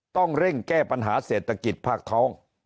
ต้องเร่งแก้ปัญหาเศรษฐกิจภาคท้อง